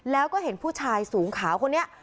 แล้วก็เห็นผู้ชายสูงขาวคนนี้